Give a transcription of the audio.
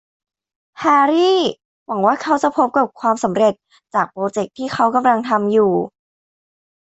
แฮรรี่หวังว่าเขาจะพบกับความสำเร็จจากโปรเจคที่เขากำลังทำอยู่